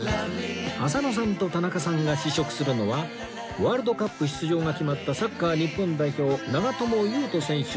浅野さんと田中さんが試食するのはワールドカップ出場が決まったサッカー日本代表長友佑都選手